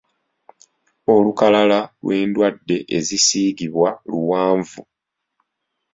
Olukalala lw'endwadde ezisiigibwa luwanvu.